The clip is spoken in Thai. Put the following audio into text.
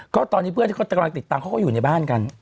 ก็ตอนนี้เพื่อนเค้าทางติดตามเค้าก็อยู่ในบ้านกัน